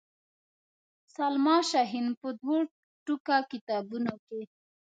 سلما شاهین په دوو ټوکه کتابونو کې.